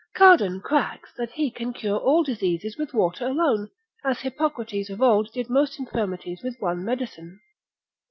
Cardan cracks that he can cure all diseases with water alone, as Hippocrates of old did most infirmities with one medicine.